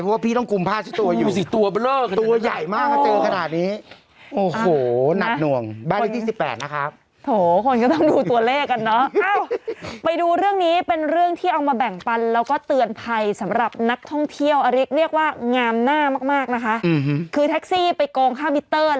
พวกเขาอยู่ตามปลาตามน้ำอยู่แล้วสวนลุกยังไปทำอะไรไม่ได้เลย